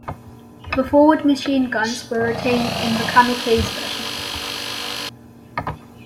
The forward machine guns were retained in the "kamikaze" version.